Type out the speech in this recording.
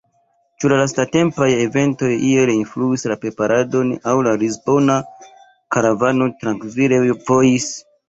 Ĉu la lastatempaj eventoj iel influis la preparadon, aŭ la lisbona karavano trankvile vojis?